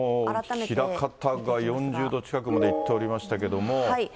枚方が４０度近くまでいっておりましたけれども。